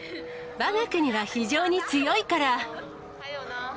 わが国は非常に強いから。